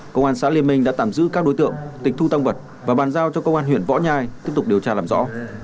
công an xã liên minh đã tạm giữ các đối tượng tịch thu tăng vật và bàn giao cho công an huyện võ nhai tiếp tục điều tra làm rõ